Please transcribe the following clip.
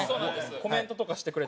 コメントとかしてくれて。